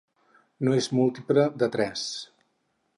No és múltiple de tres.